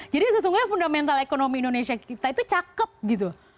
jadi sesungguhnya fundamental economy indonesia kita itu cakep gitu